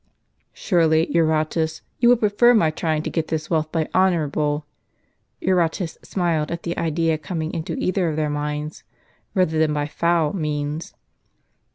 " Surely, Eurotas, you would prefer my trying to get this wealth by honorable," (Eurotas smiled at the idea coming into either of their minds) " rather than by foul, means."